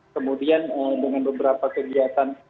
kemudian dengan beberapa kegiatan